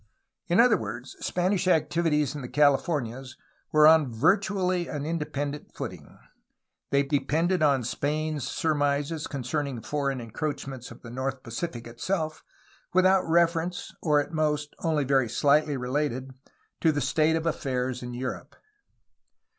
In other words, Spanish activities in the Cahfornias were on virtually an independent footing; they depended on Spain's surmises concerning foreign en croachments in the north Pacific itself, without reference (or at most only very slightly related) to the state of affairs in Europe.